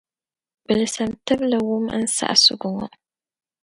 Gbilisim tibili wum n saɣisigu ŋo.